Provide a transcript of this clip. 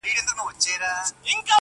چي ملالي پکښي ګرځي د وطن پر ګودرونو-